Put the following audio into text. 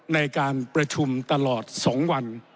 ในการประชุมตลอด๒วัน